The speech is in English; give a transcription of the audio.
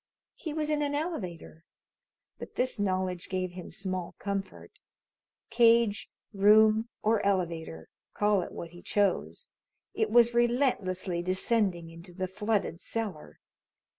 He was in an elevator, but this knowledge gave him small comfort. Cage, room, or elevator call it what he chose it was relentlessly descending into the flooded cellar.